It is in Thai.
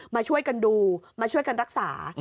มาช่วยกันดูมาช่วยกันรักษา